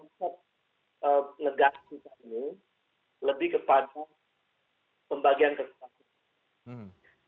tapi konsep negatif ini lebih kepada pembagian kesehatan